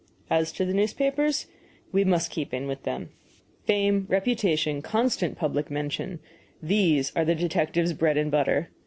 As to the newspapers, we must keep in with them. Fame, reputation, constant public mention these are the detective's bread and butter.